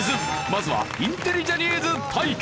まずはインテリジャニーズ対決。